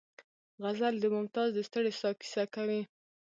غزل د ممتاز د ستړې ساه کیسه کوي